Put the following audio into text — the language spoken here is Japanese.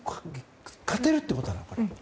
勝てるということなのか。